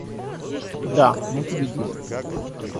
Да, мы победили.